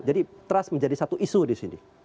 jadi trust menjadi satu isu di sini